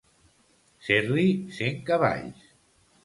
Ser-li cent cavalls.